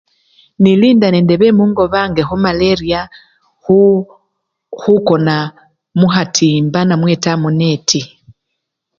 Nilinda nende bemungo mwange khumaleriya khu! khukona mukhatimba namweta muneti.